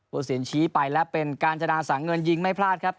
ผู้เสียญชี้ไปแล้วเป็นกาญจนาสังเงินยิงไม่พลาดครับ